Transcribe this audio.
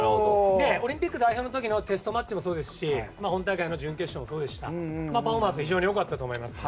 オリンピック代表の時のテストマッチも本大会の準決勝でもパフォーマンスは非常に良かったと思います。